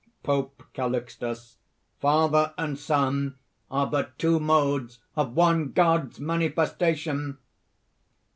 POPE CALIXTUS. "Father and Son are but two modes of one God's manifestation!"